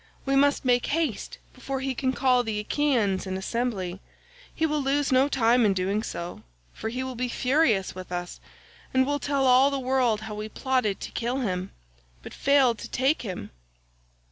We must make haste before he can call the Achaeans in assembly; he will lose no time in doing so, for he will be furious with us, and will tell all the world how we plotted to kill him, but failed to take him.